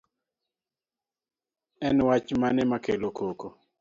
En wach mane makelo koko